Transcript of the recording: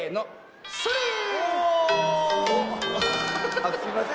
あっすいません。